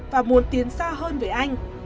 và muốn tiến xa hơn với anh